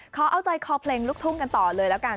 ขอเอาใจคอเพลงลูกทุ่งกันต่อเลยแล้วกัน